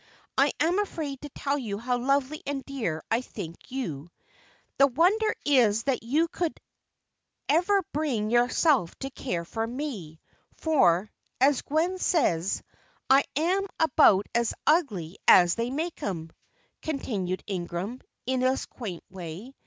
I am afraid to tell you how lovely and dear I think you. The wonder is that you could ever bring yourself to care for me; for, as Gwen says, I am about as ugly as they make 'em," continued Ingram, in his quaint way.